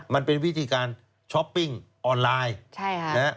มันเป็นวิธีการช้อปปิ้งออนไลน์